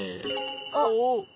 あっ！